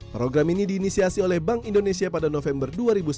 program ini diinisiasi oleh bank indonesia pada november dua ribu sembilan belas